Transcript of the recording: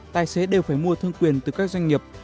tài xế đều phải mua thương quyền từ các doanh nghiệp